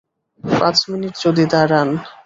পাঁচ মিনিট যদি দাঁড়ান।